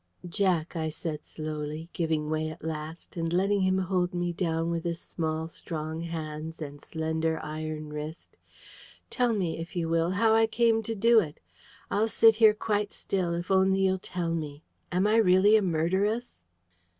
"Jack," I said slowly, giving way at last, and letting him hold me down with his small strong hands and slender iron wrist, "tell me, if you will, how I came to do it. I'll sit here quite still, if only you'll tell me. Am I really a murderess?"